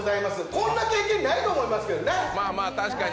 こんな経験ないと思いますけどね。